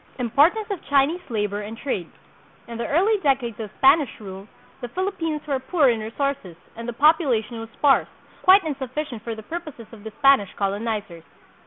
Importance of Chinese Labor and Trade. In the early decades of Spanish rule, the Philippines were poor in resources and the population was sparse, quite insufficient for the purposes of the Spanish colonizers.